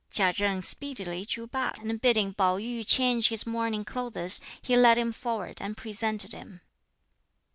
Chia Chen speedily drew back, and bidding Pao yü change his mourning clothes, he led him forward and presented him.